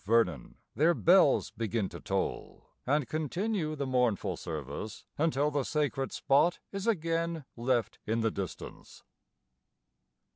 Vernon their bells begin to toll, and continue the mournful service until the sacred spot is again left in the distance.